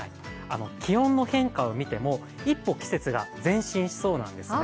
気温の変化をみても一歩季節が前進しそうなんですね。